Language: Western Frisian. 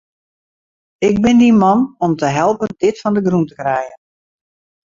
Ik bin dyn man om te helpen dit fan 'e grûn te krijen.